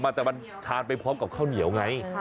ปลูกออกมาทานไปพร้อมกับข้าวเหนียวไง